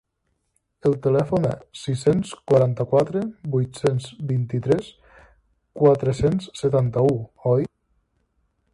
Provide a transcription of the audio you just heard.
El telèfon és sis-cents quaranta-quatre vuit-cents vint-i-tres quatre-cents setanta-u oi?